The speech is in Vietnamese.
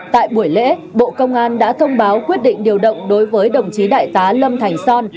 tại buổi lễ bộ công an đã thông báo quyết định điều động đối với đồng chí đại tá lâm thành son